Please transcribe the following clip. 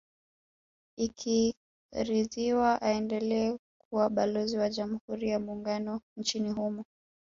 Ikaridhiwa aendelee kuwa Balozi wa Jamhuri ya Muungano nchini humo